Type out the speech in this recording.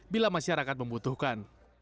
bila masyarakat membutuhkan